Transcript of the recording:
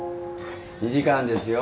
２時間ですよ。